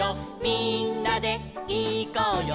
みんなでいこうよ」